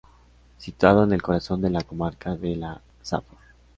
Situado en el corazón de la comarca de la Safor.